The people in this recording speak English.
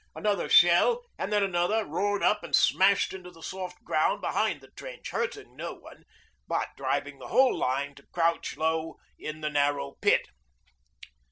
Another shell, and then another, roared up and smashed into the soft ground behind the trench, hurting no one, but driving the whole line to crouch low in the narrow pit.